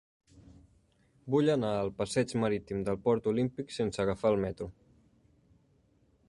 Vull anar al passeig Marítim del Port Olímpic sense agafar el metro.